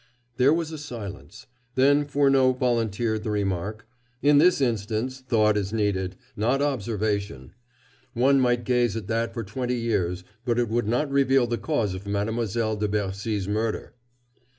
There was a silence. Then Furneaux volunteered the remark: "In this instance, thought is needed, not observation. One might gaze at that for twenty years, but it would not reveal the cause of Mademoiselle de Bercy's murder."